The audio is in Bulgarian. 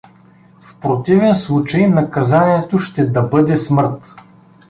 В противен случай наказанието ще да бъде смърт.